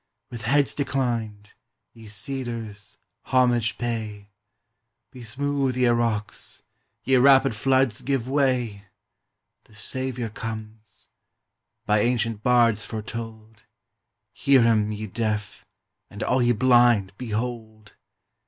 With heads declined, ye cedars, homage pay! Be smooth, ye rocks! ye rapid floods, give way! The Saviour comes! by ancient bards foretold: Hear him, ye deaf! and all ye blind, behold!